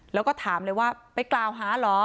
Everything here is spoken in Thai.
แล้วก็ถามเลยว่าไปกล่าวหาเหรอ